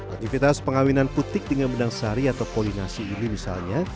aktivitas pengawinan putih dengan benang sari atau polinasi ini misalnya